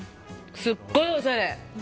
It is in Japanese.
すっごいおしゃれ。